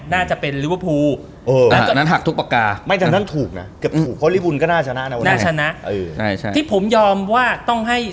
น่าจะเป็นลิเวอร์ภูอัลเซนร้อง